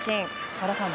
和田さん